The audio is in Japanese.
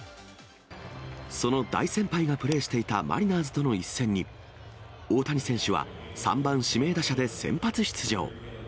その大先輩がプレーしていたマリナーズとの一戦に、大谷選手は３番指名打者で先発出場。